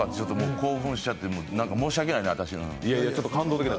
興奮しちゃって、申し訳ないな、私の。